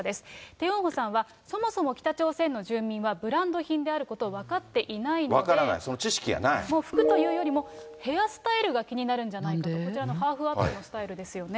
テ・ヨンホさんは、そもそも北朝鮮の住民はブランド品であること分からない、服というよりも、ヘアスタイルが気になるんじゃないかと、こちらのハーフアップのスタイルですよね。